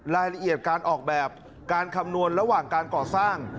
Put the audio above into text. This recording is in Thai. รายละเอียดการออกแบบการคำนวณระหว่างการก่อสร้าง